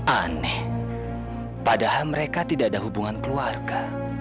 aneh padahal mereka tidak ada hubungan keluarga